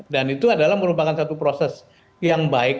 dan itu adalah merupakan satu proses yang baik